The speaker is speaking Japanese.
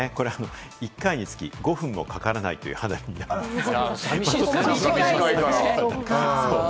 １回につき５分もかからないという花火になっているんです。